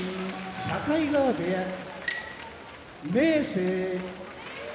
境川部屋明生